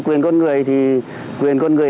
quyền con người thì quyền con người